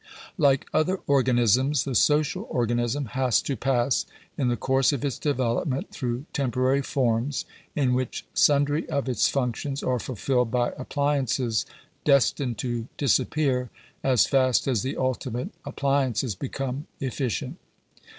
Like other organisms, the social organism has to pass in the course of its development through temporary forms, in which sundry of its functions are fulfilled by appliances destined to disappear as fast as the ultimate appliances become efficient.